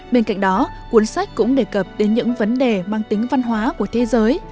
bên cạnh đó cuốn sách cũng đề cập đến những vấn đề mang tính văn hóa của thế giới